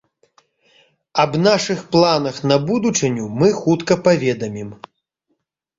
Аб нашых планах на будучыню мы хутка паведамім.